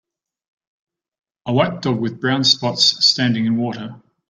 A white dog with brown spots standing in water.